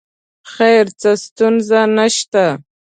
خیر څه ستونزه نه شته.